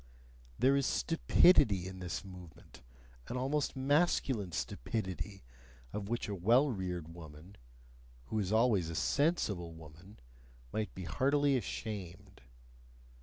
There is STUPIDITY in this movement, an almost masculine stupidity, of which a well reared woman who is always a sensible woman might be heartily ashamed.